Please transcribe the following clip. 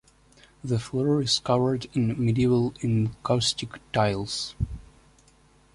The floor is covered in medieval encaustic tiles.